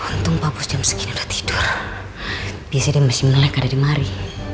hai untuk papus jam segini tidur biasanya masih melek ada di mari